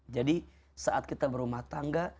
jadi saat kita berumah tangga